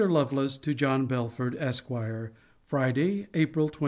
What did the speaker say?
LOVELACE, TO JOHN BELFORD, ESQ. FRIDAY, APRIL 21.